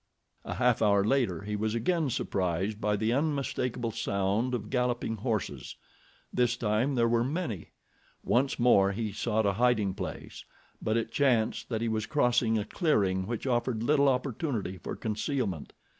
A half hour later he was again surprised by the unmistakable sound of galloping horses. This time there were many. Once more he sought a hiding place; but it chanced that he was crossing a clearing which offered little opportunity for concealment.